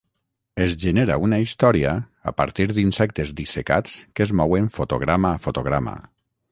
Es genera una història a partir d'insectes dissecats que es mouen fotograma a fotograma.